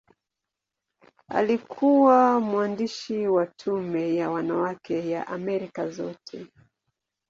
Alikuwa mwanzilishi wa Tume ya Wanawake ya Amerika Zote.